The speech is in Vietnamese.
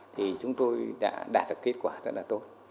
thì chúng tôi đã đạt được kết quả rất là tốt